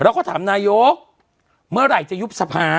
แล้วขอถามนายยกเมื่อไหร่จะยุบษภา